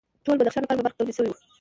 ټول بدخشان لپاره به برق تولید شوی و